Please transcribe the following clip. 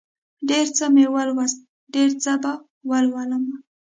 ډېر څه مې ولوست، ډېر څه به ولولمه